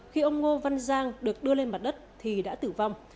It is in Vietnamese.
khi ông ngô văn giang được đưa lên mặt đất thì đã tử vong